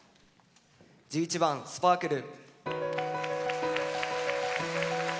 １１番「スパークル」。